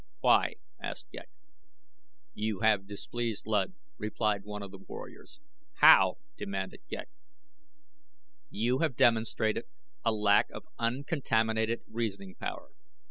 "Why?" asked Ghek. "You have displeased Luud," replied one of the warriors. "How?" demanded Ghek. "You have demonstrated a lack of uncontaminated reasoning power.